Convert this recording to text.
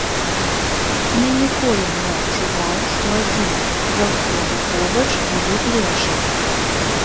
Я ніколі не адчуваў, што адзін, заўсёды побач былі плечы.